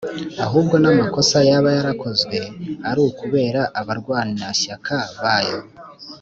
ahubwo n’amakosa yaba yarakozwe ari ukubera abarwanashyaka bayo